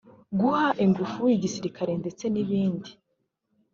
guha ingufu igisirikare ndetse n’ibindi